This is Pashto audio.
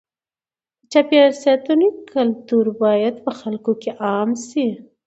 د چاپېریال ساتنې کلتور باید په خلکو کې عام شي.